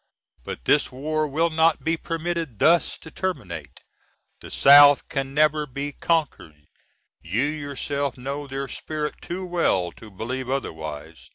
But this war will not be permitted thus to terminate, the South can never be conquered. You yourself know their "spirit" too well to believe otherwise.